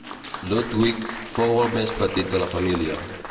Ludwig fou el més petit de la família.